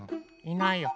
いないや。